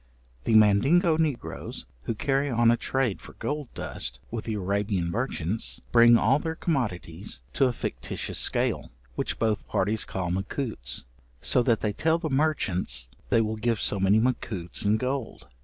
The Mandingo negroes, who carry on a trade for gold dust with the Arabian merchants, bring all their commodities to a fictitious scale, which both parties call macutes, so that they tell the merchants they will give so many macutes in gold.